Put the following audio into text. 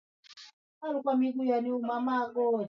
watu wanaamua walale waachane na upuzi kama huo